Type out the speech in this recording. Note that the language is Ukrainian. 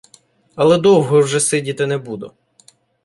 Але довго вже сидіти не буду.